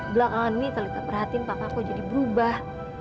belakangan ini talitha perhatiin papa kok jadi berubah